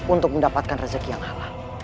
untuk mendapatkan rezeki yang halal